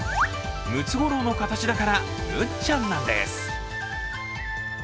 ムツゴロウの形だから、むっちゃんなんです。